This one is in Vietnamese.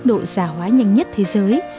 tốc độ giả hóa nhanh nhất thế giới